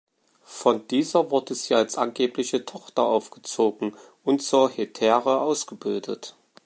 Von dieser wurde sie als angebliche Tochter aufgezogen, und zur Hetäre ausgebildet.